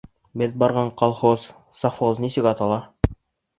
Беҙ барған колхоз, совхоз нисек атала?